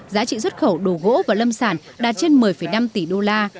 giá trị xuất khẩu đồ gỗ và lâm sản đạt trên một mươi năm tỷ đô la